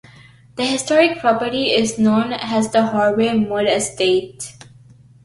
The historic property is known as the Harvey Mudd Estate.